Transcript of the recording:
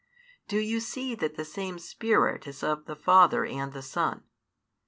Do you see that the same Spirit is of the Father and the Son?